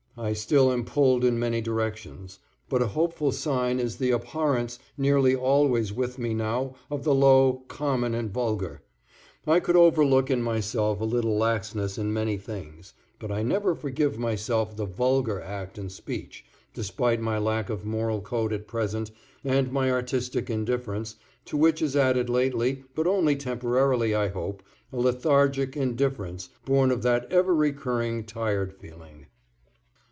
I still am pulled in many directions, but a hopeful sign is the abhorrence nearly always with me now of the low, common and vulgar. I could overlook in myself a little laxness in many things, but I never forgive myself the vulgar act and speech, despite my lack of moral code at present and my artistic indifference, to which is added lately, but only temporarily, I hope, a lethargic indifference, born of that ever recurring tired feeling.